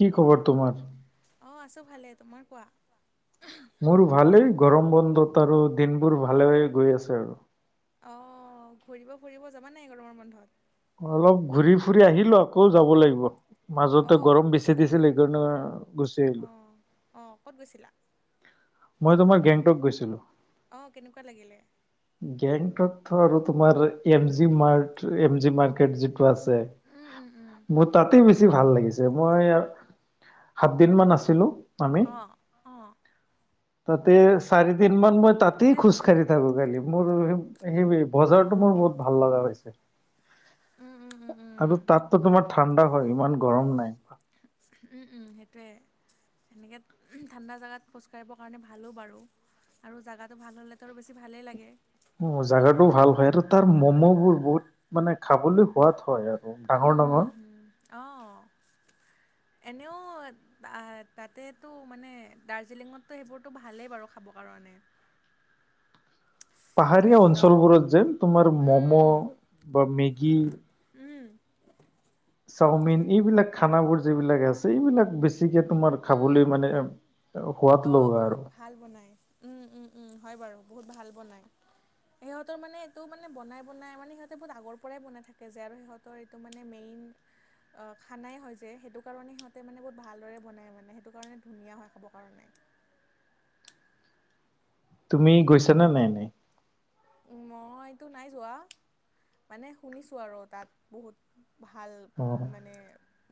কি খবৰ তোমাৰ অ আছো ভালে তোমাৰ কোৱা মোৰ ভালেই গৰম বন্ধত আৰু দিনবোৰ ভালে গৈ আছে আৰু অ ঘূৰিব ফুৰিব যাবা নাই গৰমৰ বন্ধত অলপ ঘূৰি ফুৰি আহিলো আকৌ যাব লাগিব অ মাজতে ক'ত গৰম বেচি গৈছিলা দিছিল সেইকাৰণে গুচি অ আহিলো অ ক'ত গৈছিলা মই তোমাৰ গেংণ্টক গৈছিলো অ কেনেকুৱা লাগিলে গেংণ্টক ধৰ আৰু তোমাৰ F G mark F G market আছে উম উম উম মোৰ তাতে বেছি ভাল লাগিছে যে মই সাত দিন মান আছিলো আমি অ অ তে চাৰিদিন মান মই ঠিকে তাতেই আছে খোজকাঢ়ি থাকো খালি। মোৰ সেই অ বজাৰটো মোৰ বহুত ভাল লগা হৈছে। উম উম উম উম আৰু তাতো তোমাৰ ঠাণ্ডা হয় ইমান গৰম নাই। উম, উম, সেইটোয়ে। তেনেকৈ ঠাণ্ডা জাগাত খোজকাঢ়িব কাৰণে ভালো বাৰু। আৰু জেগাটো ভাল হ'লেতো আৰু বেছি ভালেই লাগে। উম, জোগাটোও ভাল হয় আৰু তাৰ ম'ম'বোৰ বহুত মানে খাবলৈ সোৱাদ হয় আৰু। উম, ডাঙৰ ডাঙৰ। অ', এনেও আহ তাতেতো মানে দাৰ্জিলিংটো সেইবোৰতো ভালেই বাৰু খাব কাৰণে। পাহাৰীয়া গেংটক অঞ্চলবোৰত যেন তোমাৰ ম'ম' উম বা মেগী উম। চাওমিন এইবিলাক খানাবোৰ যিবিলাক আছে এইবিলাক বেছিকে তোমাৰ খাবলৈ মানে সোৱাদ অ', লগা আৰু বহুত ভাল বনায় উম উম উম হয় বাৰু বহুত ভাল বনায়। সিহঁতৰ মানে এইটো মানে বনাই বনাই মানে সিহঁতে বহুত আগৰ পৰাই বনাই থাকে যে আৰু সিহঁত তৰ এইটো মানে মেইন অ', খানাই হয় যে সেইটো কাৰণে সিহঁতে মানে বহুত ভালদৰে বনাই মানে সেইটো কাৰণে ধুনীয়া হয় খাব কাৰণে। তুমি গৈছা নে নাই এনে? মইতো নাই যোৱা মানে শুনিছোঁ আৰু তাত বহুত ভাল অ মানে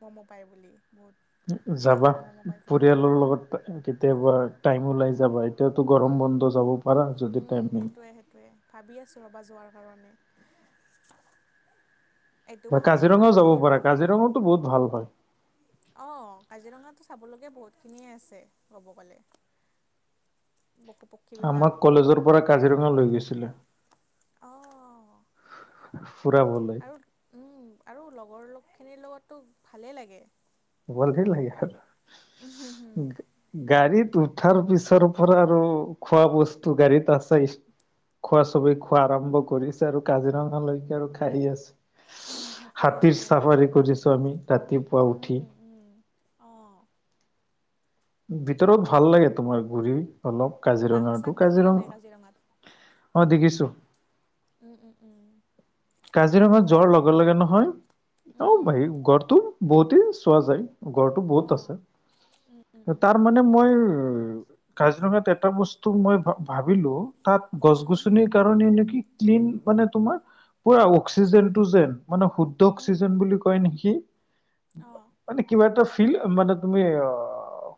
ম'ম' পায় বুলি বহুত। যাবা সুস্বাদু ম'ম' পায় বুলি পৰিয়ালৰ উম, লগত। কেতিয়াবা টাইম ওলাই যাবা, এতিয়াতো গৰম বন্ধ যাব পাৰা যদি টাইম মিলে। সেইটোয়ে। ভাবি আছো ৰ'বা যোৱাৰ কাৰণে। এইটো মাহৰ শেষৰ কাজিৰঙাও যাব পিনে পাৰা কাজিৰঙাওতো বহুত ভাল হয়। অ', কাজিৰঙাতো চাবলগা বহুতখিনিয়ে আছে ক'ব গ'লে। [inaudible] আমাক কলেজৰ পৰা কাজিৰঙা লৈ গৈছিলে অ'। ফুৰিবলৈ। আৰু উম আৰু লগৰ লগখিনিৰ লগতো ভালেই লাগে। ভালেই লাগে বাৰু, উম, হুম, হুম, উম। গাড়ীত উঠাৰ পিছৰ পৰা আৰু খোৱা বস্তু গাড়ীত আছ খোৱা চবেই খোৱা আৰম্ভ কৰিছে আৰু কাজিৰঙা লৈকে আৰু খাই আছে। উম, সেইটোৱে হাতীৰ সেইটোৱে চাফাৰী কৰিছো আমি ৰাতিপুৱা উঠি। উম, উম। অ'। ভিতৰত ভাল লাগে তোমাৰ ঘূৰি অলপ বাঘ চাঘ কাজিৰঙাতো। দেখিলা নাই কাজিৰঙা কাজিৰঙাত? অ', দেখিছোঁ। উম, উম, উম। আৰু কাজিৰঙাত যোৱাৰ গঁড় লগে লগে নহয় উম, অ' হেৰি গড়টো বহুতেই চোৱা যায়। গড়টো বহুত অ', উম, উম, আছে। উম, তাৰ মানে মানে মই কাজিৰঙাত এটা বস্তু মই ভাবিলো তাত গছ উম, গছনিৰ কাৰণে নেকি ক্লিন মানে তোমাৰ পুৰা অক্সিজেনটো যেন মানে শুদ্ধ উম, অক্সিজেন বুলি কয় নেকি! অ'। মানে কিবা এটা ফিল, মানে তুমি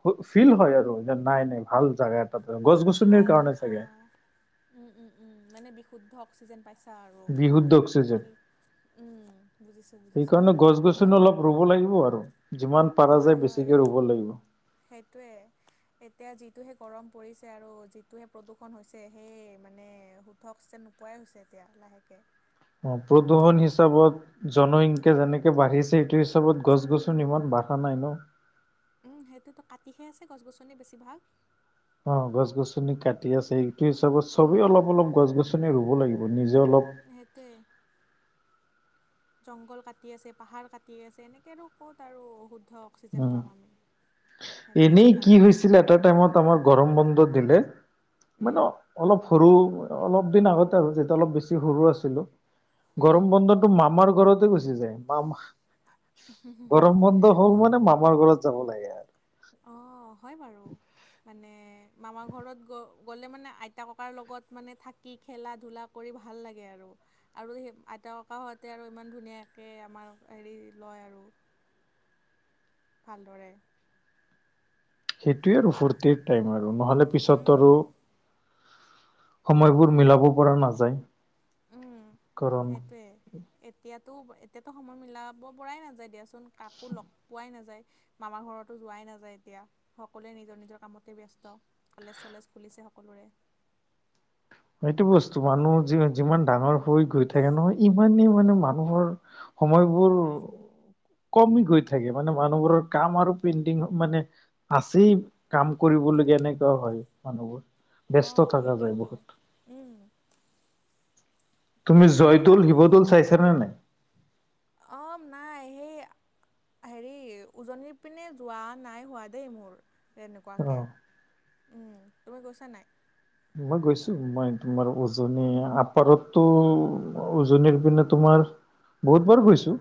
অ' ফিল নহয় আৰু যে নাই নাই ভাল জাগা এ [unintelligible] গছ গছনিৰ ভাল কাৰণে চাগে। অ'। উম, উম, উম, মানে বিষ শুদ্ধ অক্সিজেন পাইছা আৰু। বিশুদ্ধ অক্সিজেন উম, বুজিছোঁ বুজিছোঁ। হয় তুন বাৰু, অলপ ৰুব লাগিব আৰু, যিমান পাৰা হয়, যায় হয়, বেছিকে ৰুব লাগিব। সেইটোৱে। এতিয়া যিটোহে গৰম পৰিছে আৰু, যিটোহে প্ৰদূষণ হৈছে সেই মানে [unintelligible] পোৱাই হৈছে এতিয়া লাহেকে। অ' প্ৰদূষণ হিচাপত জনসংখ্যা যেনেকে বাঢ়িছে এইটো [unintelligible] গছ উম, গছনি ইমান বাঢ়া নাই ন'। উম, সেইটোতো কাটিহে আছে গছ গছনি বেছিভাগ। অ' গছ গছনি কাটি আছে, সেইটো হিচাপত চবেই উম, অলপ অলপ গছ গছনি ৰুব লাগিব, নিজে অলপ সেইটোৱে। জংঘল কাটি আছে, পাহাৰ কাটি আছে, এনেকে আৰু ক'ত আৰু অশুদ্ধ অক্সিজেন উম পাম আমি, সেইটোৱে এনেই কথা। [unintelligible] এটা টাইমত আমাক গৰম বন্ধ দিলে উম, মানে অলপ সৰু অলপ দিন আগতে আৰু যেতিয়া অলপ বেছি সৰু আছিলোঁ। উম। গৰম বন্ধটো মামাৰ ঘৰতে গুচি যায়। মামা গৰম বন্ধ হ'ল মানে মামাৰ ঘৰত যাব লাগে। আৰু অ' হয় বাৰু। মানে মামাৰ ঘৰত গ-গ'লে মানে আইতা ককাৰ লগত মানে থাক কি খেলা ধূলা কৰি ভাল লাগে আৰু। আৰু সেই আইতা ককাহঁতে আৰু ইমান ধুনীয়াকৈ আমাক হেৰি লয় আৰু। ভালদৰে। সেইটোৱে আৰু ফূৰ্তিৰ টাইম আৰু নহ'লে পিছততো উম, আৰু সময়বোৰ মিলাব পৰা নাযায়। উম, কাৰণ সেইটোৱে। এতিয়াতো এতিয়াতো সময় মিলাব পৰাই নাযায় দিয়াচোন, কাকো লগ পোৱাই নাযায়। মামাৰ ঘৰতো যোৱাই নাযায় এতিয়া, সকলোৱে নিজৰ নিজৰ কামতে ব্যস্ত। কলেজ চলেজ খুলিছে সকলোৰে। সেইটো বস্তু, মানুহ যি-যিমান ডাঙৰ হৈ গৈ থাকে নহয়, ইমানেই মানে মানুহৰ সময়বোৰ কমি গৈ থাকে, মানে মানুহবোৰৰ কাম আৰু পেইণ্টিং মানে আছেই কাম কৰিবলগীয়া এনেকুৱা হয় মানুহবোৰ। ব্যস্ত অ' থকা যায় সেইটোয়েইতো, বহুত উম। তুমি আৰু জয়দৌল, বাকী শিৱদৌল চাইছা নে নাই? অ' নাই সেই হেৰি উজনিৰ পিনে যোৱা নাই হোৱা দেই মোৰ। তেনেকুৱাকে। অ উম, তুমি গৈছা নাই? মই গৈছোঁ। মই তোমাৰ উজনি আপাৰতো উজনিৰ পিনে তোমাৰ বহুত বাৰ গৈছোঁ,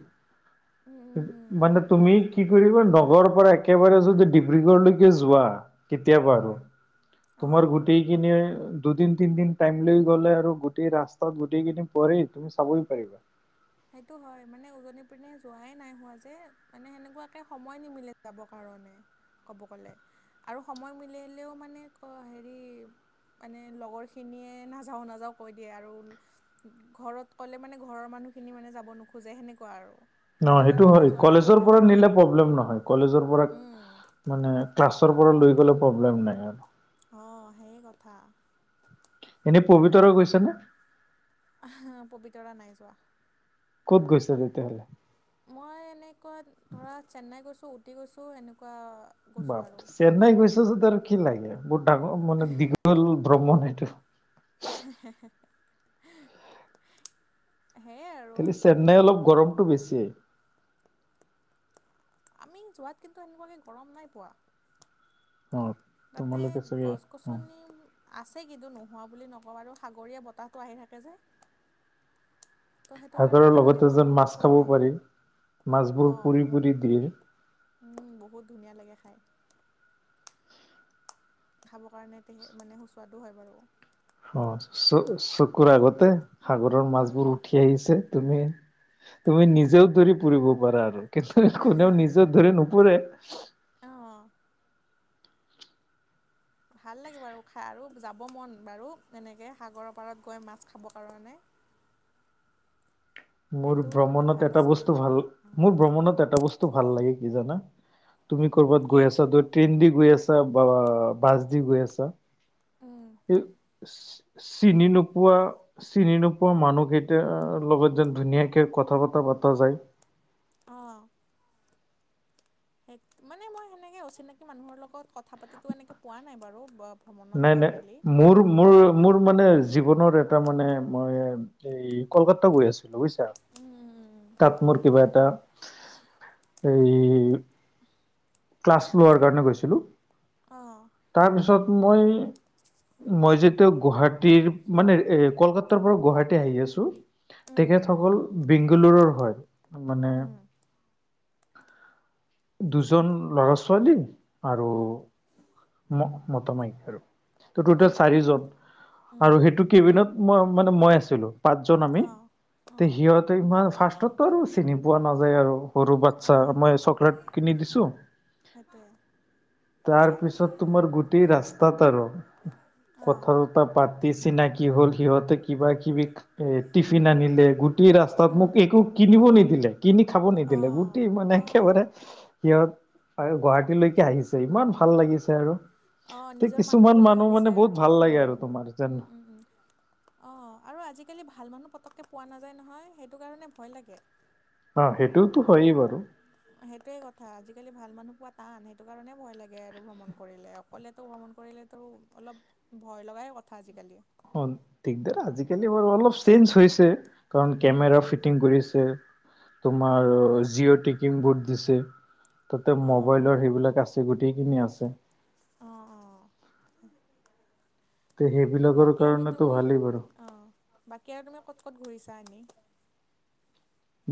উম, উম, উম, মানে তুমি কি কৰিবা নগৰৰ পৰা একেবাৰে যদি ডিব্ৰুগড়লৈকে যোৱা কেতিয়াবা আৰু উম, তোমাৰ অ'। গো টেইকিনিৰ দুদিন তিনদিন টাইম লৈ গ'লে আৰু গোটেই ৰাস্তাত গোটেইকিনি পৰেই চাবই লাগে। সেইটো হয় মানে উজনিৰ পিনে যোৱাই নাই হোৱা যে মানে সেনেকুৱাকে সময় নিমিলে যাবৰ কাৰণে ক'ব গ'লে আৰু সময় মিলিলেও মানে হেৰি মানে লগৰখিনিয়ে নাযাওঁ, নাযাওঁ কৈ দিয়ে আৰু ঘৰত ক'লে মানে ঘৰৰ মানুহখিনি মানে যাব নোখোজে সেনেকুৱা আৰু ন সেইটো কাৰণে হয় যোৱাই হোৱা কলেজৰ নাই পৰা ক'তো। নিলে প্ৰব্লেম নহয় কলেজৰ পৰা উম। মানে ক্লাছৰ পৰা লৈ গ'লে প্ৰব্লেম নাই আৰু অ', সেই কথা এনেই পবিতৰা গৈছে নে পবিতৰা নাই যোৱা ক'ত গৈছে তেতিয়াহ'লে? মই এনেকুৱা ধৰা চেন্নাই গৈছোঁ, উটি গৈছোঁ এনেকুৱা গৈছোঁ বাপ আৰু। চেন্নাই গৈছচোনত আৰু কি লাগে বহুত ডাঙৰ মানে দীঘল ভ্ৰমণ এইটো সেইয় আৰু খালি চেন্নাই অলপ গৰমতটো বেছিয়ে আমি যোৱাত কিন্তু এনেকুৱাকৈ গৰম নাই পোৱা। অ'। তাতে তোমালোকে চাগে গছ অ গছনি আছে কিন্তু নোহোৱা বুলি নকওঁ আৰু সাগৰীয়া বতাহটো আহি থাকে যে ত' সেইটো সাগৰৰ কাৰণে মানে লগতে এ যেন গৰম মাছ পোৱা খাব নাই। পাৰি মাছবোৰ পুৰি পুৰি দি উম বহুত ধুনীয়া লাগে খাই। খাবৰ কাৰণে তে মানে সুস্বাদো হয় বাৰু। অ', চ চকুৰ আগতে সাগৰৰ উম, মাছবোৰ উঠি আহিছে। তুমি, তুমি নিজেও দৌৰি ফুৰিব পাৰা আৰু [unintelligible] কোনেও নিজৰ ধৰি নুপৰে-'- অ', অ'। ভাল লাগে বাৰু খাই আৰু যাব মন বাৰু এনেকৈ সাগৰৰ পাৰত গৈ মাছ খাব কাৰণে মোৰ সেইটো মানে ভ্ৰমণত ভাল এটা আছিলে বস্তু ভাল মোৰ ভ্ৰমণত এটা বস্তু ভাল লাগে কি জানা তুমি কৰ'বাত কি গৈ আছা ট্ৰেইন দি গৈ আছা বা বাছ দি গৈ আছা চিনি নোপোৱা চিনি নোপোৱা মানুহ কেইটা লগত যেন ধুনীয়াকৈ কথা বতৰা পতা যায় অ'। সেই মানে মই সেনেকে অচিনাকি মানুহৰ লগত কথা পাতিতো এনেকে পোৱা নাই বাৰু ভ্ৰমণত নাই, গৈ নাই মেলি মোৰ, মোৰ মোৰ মানে জীৱনৰ এটা মানে মই এই কলকাতা গৈ আছিলোঁ বুজিছা তাত মোৰ কিবা এটা এই ক্লাছ লোৱাৰ কাৰণে গৈছিলো অ'। তাৰপিছত মই মই যেতিয়া গুৱাহাটীৰ মানে এ কলকাতাৰ পৰা গুৱাহাটী আহি আছোঁ তেখেতসকল বেংগোলুৰৰ হয় মানে দুজন ল'ৰা ছোৱালী আৰু ম মতা মাইকী আৰু ত' টোটেল চাৰিজন অঁ আৰু সেইটো কেবিনত মই মানে মই আছিলোঁ। পাঁচজন আমি তে অঁ সিহতে ইমান ফাৰ্ষ্টতো আৰু চিনি পোৱা নাযায় আৰু। সৰু বাচ্ছা অঁ মই চকলেট কিনি দিছো সেইটোৱে তাৰপিছত তোমাৰ গোটেই ৰাস্তাত আৰু অঁ পথাৰত পাতি চিনাকি হ'ল সিহঁতে কিবা কিবি খা এ টিফিন আনিলে গোটেই ৰাস্তাত মোক একো কিনিব নিদিলে কিনি খাব নিদিলে অঁ গোটেই মানে একেবাৰে অঁ সিহঁত গুৱাহাটীলৈকে আহিছে ইমান ভাল লাগিছে আৰু অঁ তে নিজৰ মানুহ কিছুমান বুলি মানে ভাবিছে বহুত আৰু ভাল উম লাগে আৰু তোমাৰ যেন উম উম অঁ আৰু আজিকালি ভাল মানুহ পতককৈ পোৱা নাযায় নহয় সেইটো কাৰণে ভয় লাগে অ', সেইটোওতো হয়ে বাৰু সেইটোৱে কথা আজিকালি ভাল মানুহ পোৱা টান সেইটো কাৰণে ভয় লাগে আৰু ভ্ৰমণ কৰিলে ক'লেতো ভ্ৰমণ কৰিলেতো অলপ ভয় লগাই কথা আজিকালি অ দিগদাৰ আজিকালি বাৰু অলপ চেঞ্জ হৈছে কাৰণ কেমেৰা উম ফিট টিং কৰিছে তোমাৰ উম জিঅ টিকিং ভুদ দিছে। তাতে অঁ মোবাইলৰ সেইবিলাক আছে গোটেইখিনি আছে অঁ অঁ তে সেইবিলাকৰ বাকী আৰু কাৰণেতো তুমি ভালেই বাৰু অঁ বাকী আৰু তুমি ক'ত ক'ত ঘূৰিছা এনেই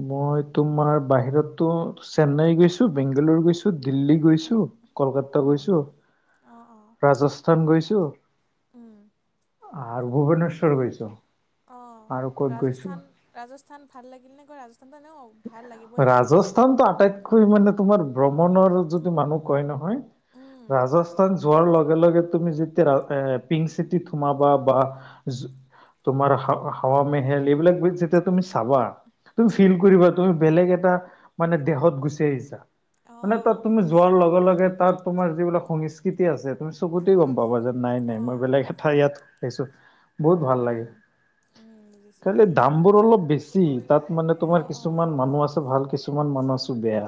মই তোমাৰ বাহিৰততো চেন্নাই গৈছো বেংগালৰু গৈছো দিল্লী উম গৈছো কলকাতা উম গৈছো অঁ অঁ ৰাজস্থান গৈছো উম আৰু ভূৱনেশ্বৰ গৈছো অঁ আৰু ক'ত গৈছো ৰাজস্থান ৰাজস্থান ভাল লাগিল নে গৈ ৰাজস্থানটো নেও ৰাজস্থানতটো আটাইতকৈ মানে তোমাৰ ভ্ৰমণৰ যদি মানুহ কয় নহয় উম ৰাজস্থান যোৱাৰ লগে লগে তুমি যেতিয়া এ পিংক চিটি সোমাবা বা জু তোমাৰ হা হাৱা মেহেল এইবিলাক যেতিয়া তুমি চাবা তুমি উম ফিল কৰিবা তুমি বেলেগ এটা মানে দেহত গুচি আহিছা মানে অঁ তাত তুমি যোৱাৰ বুজিছোঁ লগে লগে তাত তোমাৰ যিবিলাক সংস্কৃতি আছে তুমি চকুতে গম উম পাবা যে নাই নাই অঁ মই বেলেগ এটা ইয়াত আহিছো বহুত ভাল উম লাগে উম উম বুজিছোঁ খালি দাম বোৰ অলপ বেছি তাত মানে তোমাৰ অঁ কিছু অঁ কিছুমান মানুহ আছে ভাল কিছুমান মানুহ আছো বেয়া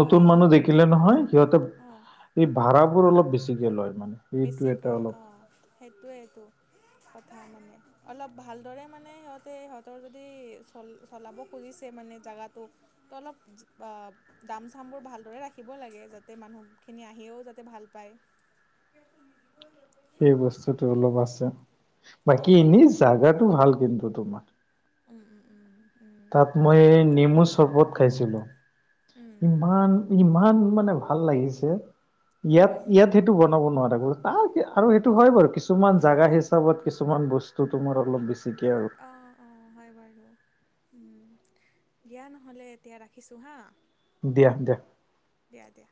নতুন অঁ মানুহ দেখিলে নহয় সিহঁতে অঁ এই ভাড়াবোৰ অলপ বেছিকে লয় মানে সেইটো বেছি এটা কয় অলপ অ সেইটোৱেইটো কথা মানে অলপ ভালদৰে মানে সিহতে সিহঁতৰ যদি চলি চলাব খুজিছে মানে জেগাটো ত অলপ দাম চাম বোৰ ভালদৰে ৰাখিব লাগে, যাতে মানুহখিনি আহিও যাতে ভাল পায়। এটিয়াটো নিদিবই সিহতে সেই বস্তুতটো অলপ আছে, অঁ বাকী এনেই সেইটোৱেতো জাগাটো ভাল কিন্তু তোমাৰ। উম উম উম উম, তাত মই নেমু চৰবত খাইছিলো উম, ইমান ই ইমান মানে ভাল লাগিছে উম, ইয়াত ইয়াত সেইটো বনাব নোৱাৰা ব আৰু সেইটো হয় বাৰু কিছুমান জোগা হিচাপত কিছুমান বস্তু বস্তু তোমাৰ অলপ বেছিকে আৰু অঁ অঁ হয় বাৰু উম, দিয়া নহ'লে এতিয়া ৰাখিছোঁ হা দিয়া দিয়া দিয়া দিয়া